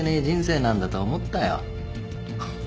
人生なんだと思ったよ。